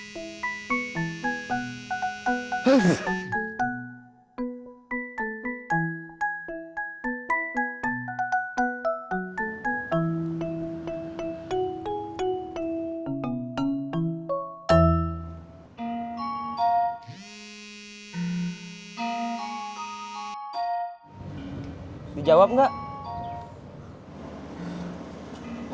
biar jawab dong